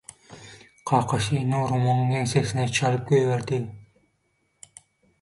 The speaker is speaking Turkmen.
Kakasy Nurumyň ýeňsesine çalyp goýberdi.